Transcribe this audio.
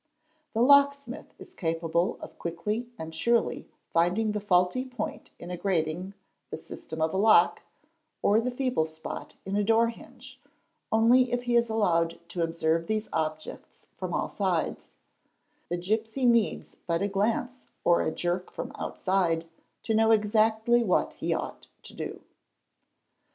The locksmith is capable of quickly and surely finding the faulty point in a grating, the system of a lock, or the feeble spot in a door hinge, only if he is allowed to observe these objects from all sides; the gipsy needs but a glance or a jerk from outside to know exactly what he ought to do.